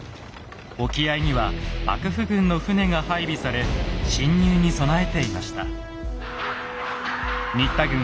沖合には幕府軍の船が配備され侵入に備えていました。